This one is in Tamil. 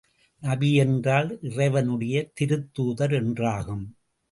நபி என்றால், இறைவனுடைய திருத்தூதர் என்றாகும்.